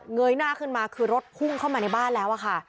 ยหน้าขึ้นมาคือรถพุ่งเข้ามาในบ้านแล้วอะค่ะ